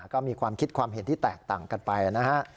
ก็มีความคิดความเห็นที่แตกต่างกันไปนะฮะ